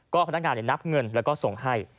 พนักงานนับเงินแล้วก็ส่งให้